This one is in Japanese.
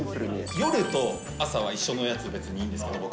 夜と朝は一緒のやつで別にいいんですけど、僕。